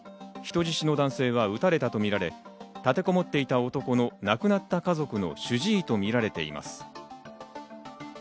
人質の男性は撃たれたとみられ、たてこもっていた男の亡くなった家族の主治医とみられています。